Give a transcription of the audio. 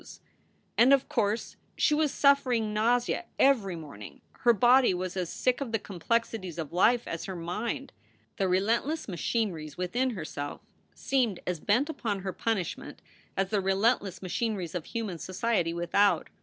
ii2 SOULS FOR SALE And, of course, she was suffering nausea every morning; her body was as sick of the complexities of life as her mind. The relentless machineries within herself seemed as bent upon her punishment as the relentless machineries of human society without.